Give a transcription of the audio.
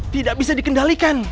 tidak bisa dikendalikan